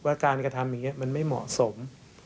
การกระทำอย่างนี้มันไม่เหมาะสม